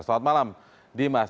selamat malam dimas